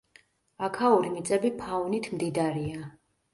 აქაური მიწები ფაუნით მდიდარია.